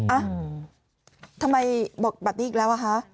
อ่ะทำไมบอกแบบนี้อีกแล้วอ่ะคะ